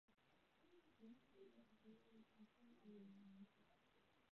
而两个月台用架空道路来连接。